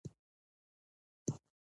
د باختر د سرو زرو مرغۍ د پرواز حالت لري